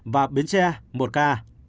nguyễn tre một ca